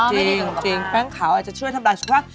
อ๋อไม่ดีต่อสุขภาพจริงแป้งขาวอาจจะช่วยทำดายสุขภาพ